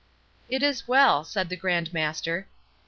"It is well," said the Grand Master.